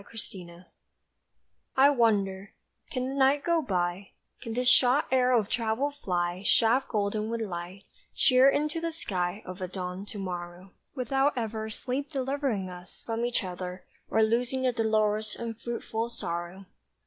EXCURSION I WONDER, can the night go by; Can this shot arrow of travel fly Shaft golden with light, sheer into the sky Of a dawned to morrow, Without ever sleep delivering us From each other, or loosing the dolorous Unfruitful sorrow!